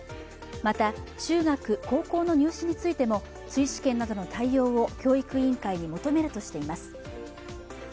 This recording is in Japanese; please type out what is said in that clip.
また中学、高校の入試についても追試験などの対応を教育委員会に求めるとしています。